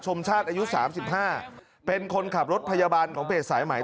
ชาติอายุ๓๕เป็นคนขับรถพยาบาลของเพจสายใหม่